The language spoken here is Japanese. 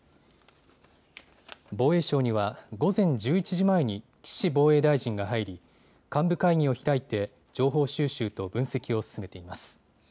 防衛省には午前１１時前に岸防衛大臣が入り幹部会議を開いて情報収集と分析を進めています。